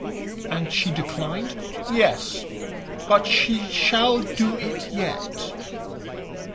"And she declined?" "Yes; but she shall do it yet."